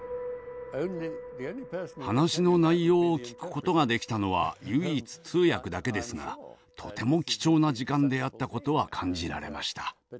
話の内容を聞くことができたのは唯一通訳だけですがとても貴重な時間であったことは感じられました。